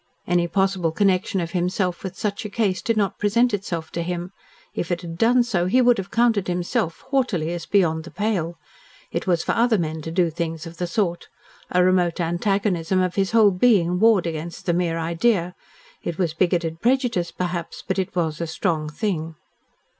Any possible connection of himself with such a case did not present itself to him. If it had done so, he would have counted himself, haughtily, as beyond the pale. It was for other men to do things of the sort; a remote antagonism of his whole being warred against the mere idea. It was bigoted prejudice, perhaps, but it was a strong thing.